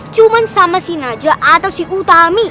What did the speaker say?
cuma sama si naja atau si utami